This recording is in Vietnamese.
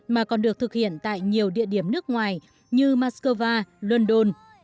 mà còn được thực hiện tại nhiều địa điểm nước ngoài như moscow london